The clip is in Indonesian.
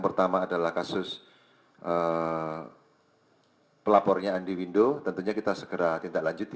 pertama adalah kasus pelapornya andi windu tentunya kita segera tindak lanjuti